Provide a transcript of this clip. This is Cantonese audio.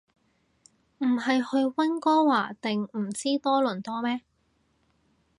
唔係去溫哥華定唔知多倫多咩